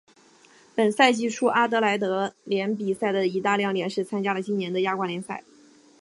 本赛季初阿德莱德联比赛的一大亮点是参加了今年的亚冠联赛。